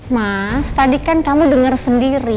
mas tadi kan kamu dengar sendiri